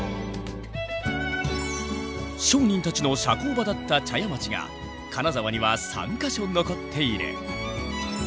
商人たちの社交場だった茶屋町が金沢には３か所残っている。